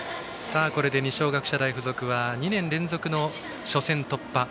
これで二松学舎大付属は２年連続の初戦突破。